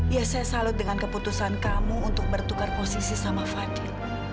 ya saya salut dengan keputusan kamu untuk bertukar posisi sama fadil